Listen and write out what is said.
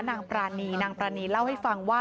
นางปรานีนางปรานีเล่าให้ฟังว่า